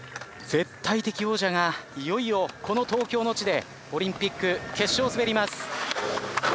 絶対的王者がいよいよこの東京の地でオリンピック決勝を滑ります。